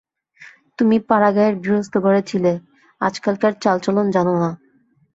তুমি পাড়াগাঁয়ের গৃহস্থ-ঘরে ছিলে–আজকালকার চালচলন জান না।